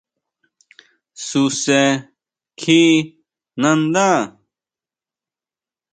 Suse kjí nanda.